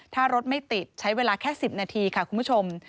ถ้ารถไม่ติดใช้เวลาแค่๑๐นาทีค่ะคุณผู้ชม